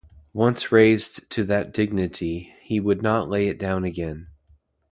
Once raised to that dignity, he would not lay it down again.